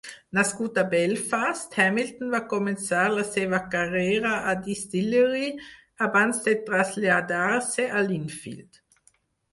Nascut a Belfast, Hamilton va començar la seva carrera a Distillery, abans de traslladar-se a Linfield.